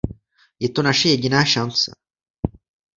Je to naše jediná šance!